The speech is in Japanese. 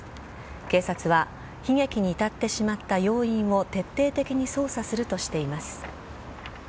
警察は、悲劇に至ってしまった要因を徹底的に捜査するとしています。